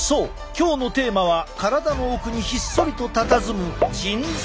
今日のテーマは体の奥にひっそりとたたずむ腎臓！